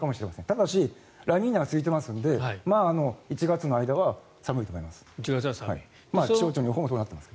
ただし、ラニーニャが続いていますので１月の間は寒くなります。